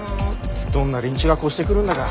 どんな連中が越してくるんだか。